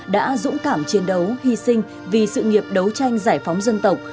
đã dũng cảm chiến đấu hy sinh vì sự nghiệp đấu tranh giải phóng dân tộc